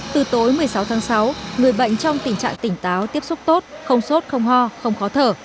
từ tối một mươi sáu tháng sáu người bệnh trong tình trạng tỉnh táo tiếp xúc tốt không sốt không ho không khó thở